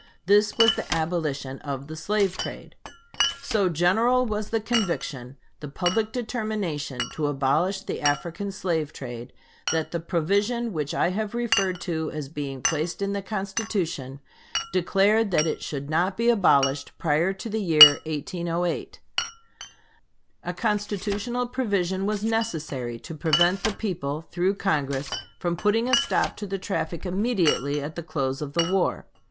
This was the abolition of the slave trade. So general was the conviction, the public determination, to abolish the African slave trade, that the provision which I have referred to as being placed in the Constitution declared that it should not be abolished prior to the year 1808. A constitutional provision was necessary to prevent the people, through Congress, from putting a stop to the traffic immediately at the close of the war.